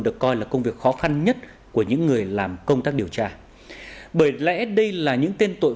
được coi là công việc khó khăn nhất của những người làm công tác điều tra bởi lẽ đây là những tên tội